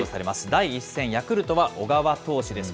第１戦、ヤクルトは小川投手です。